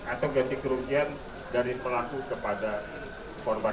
atau ganti kerugian dari pelaku kepada korban